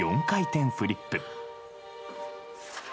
４回転フリップ。